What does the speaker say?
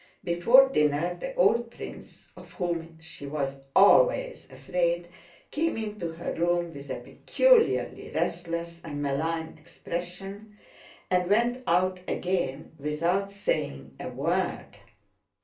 Before dinner the old prince, of whom she was always afraid, came into her room with a peculiarly restless and malign expression and went out again without saying a word.